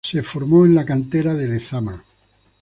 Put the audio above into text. Se formó en la cantera de Lezama.